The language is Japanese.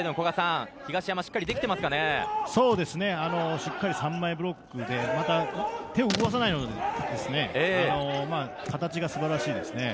しっかり３枚ブロックでまた、手を動かさないので形が素晴らしいですね。